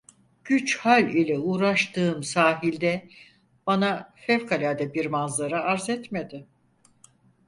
Güç hal ile ulaştığım sahil de bana fevkalade bir manzara arz etmedi.